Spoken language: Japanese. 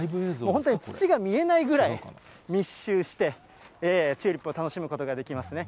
本当に土が見えないぐらい密集して、チューリップを楽しむことができますね。